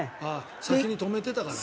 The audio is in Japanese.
先に止めていたからね。